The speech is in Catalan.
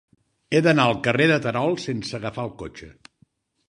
He d'anar al carrer de Terol sense agafar el cotxe.